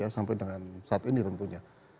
sampai dengan saat ini tentunya